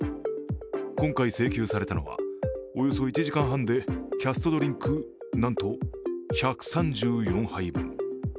今回請求されたのはおよそ１時間半でキャストドリンクなんと１３４杯分。